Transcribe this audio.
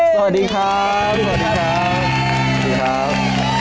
สวัสดีครับ